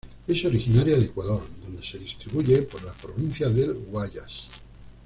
Es originaria de Ecuador, donde se distribuye por la Provincia del Guayas.